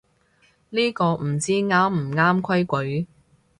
呢個唔知啱唔啱規矩